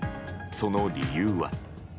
その理由は。